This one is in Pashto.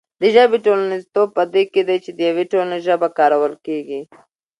د ژبې ټولنیزتوب په دې کې دی چې د یوې ټولنې ژبه کارول کېږي.